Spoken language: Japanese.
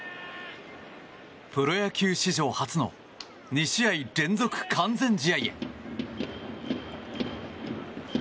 プロ野球史上初の２試合連続完全試合へ。